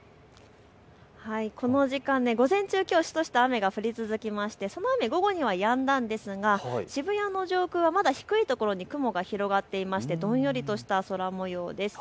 この時間、午前中、しとしと雨が降り続きましてその雨、午後にはやんだんですが渋谷の上空はまだ低い所に雲が広がっていましてどんよりとした空もようです。